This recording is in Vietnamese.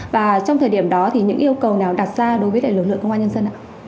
và trong thời điểm đó những yêu cầu nào đặt ra đối với lực lượng công an nhân dân